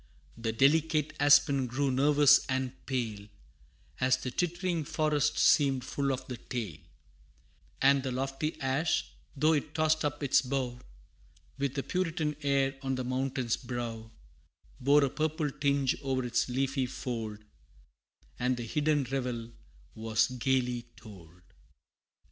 The delicate aspen grew nervous and pale, As the tittering forest seemed full of the tale; And the lofty ash, though it tossed up its bough, With a puritan air on the mountain's brow, Bore a purple tinge o'er its leafy fold, And the hidden revel was gayly told!